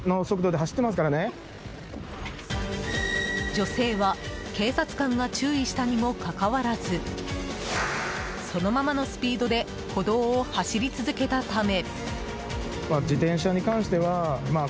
女性は、警察官が注意したにもかかわらずそのままのスピードで歩道を走り続けたため。